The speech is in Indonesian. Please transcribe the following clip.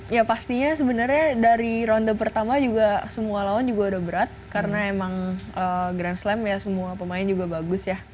ya pastinya sebenarnya dari ronde pertama juga semua lawan juga udah berat karena emang grand slam ya semua pemain juga bagus ya